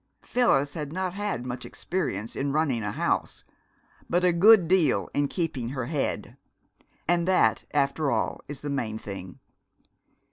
Phyllis had not had much experience in running a house, but a good deal in keeping her head. And that, after all, is the main thing.